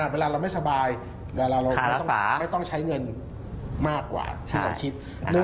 เวลาเราไม่สบายเวลาเราไม่ต้องใช้เงินมากกว่าที่เราคิด